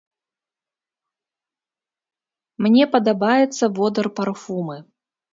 Мне падабаецца водар парфумы.